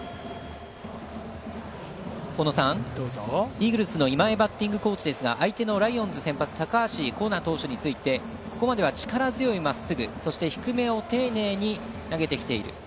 イーグルスの今江バッティングコーチですが相手のライオンズ先発高橋光成選手についてここまでは力強いまっすぐそして、低めを丁寧に投げてきている。